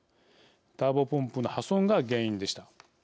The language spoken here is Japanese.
ターボポンプの破損が原因でした。